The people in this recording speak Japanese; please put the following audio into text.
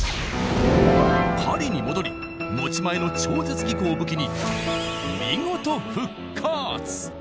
パリに戻り持ち前の超絶技巧を武器に見事復活！